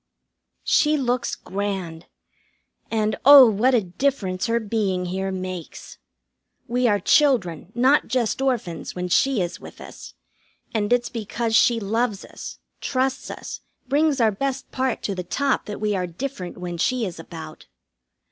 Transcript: She looks grand. And oh, what a difference her being here makes! We are children, not just orphans, when she is with us; and it's because she loves us, trusts us, brings our best part to the top that we are different when she is about.